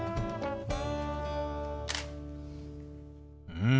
うん。